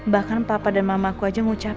bahkan papa dan mama juga sayang sama mama